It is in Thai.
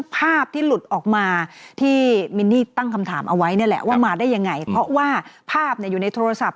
ว่ามาได้อย่างไรเพราะว่าภาพอยู่ในโทรศัพท์